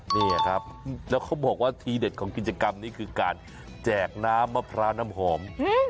นี่ครับแล้วเขาบอกว่าทีเด็ดของกิจกรรมนี้คือการแจกน้ำมะพร้าวน้ำหอม